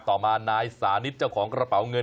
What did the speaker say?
ต่อมานายสานิทเจ้าของกระเป๋าเงิน